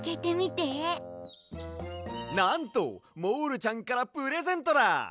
なんとモールちゃんからプレゼントだ！